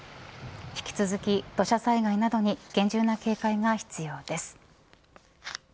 引き続き土砂災害などに厳重な警戒が必要です。